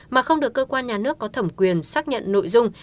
mà không được cơ quan nhà nước có thẩm quyền xác nhận nội dung